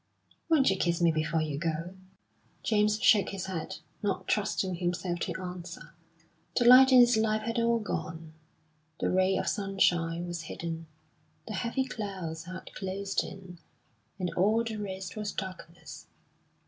"Won't you kiss me before you go?" James shook his head, not trusting himself to answer. The light in his life had all gone; the ray of sunshine was hidden; the heavy clouds had closed in, and all the rest was darkness.